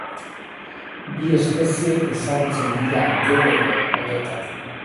Bi espezie ezagutzen dira genero honetan.